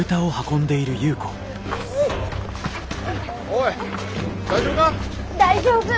おい大丈夫か？